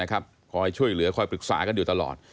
คอยช่วยเหลือคอยปรึกษากันอยู่ตลอด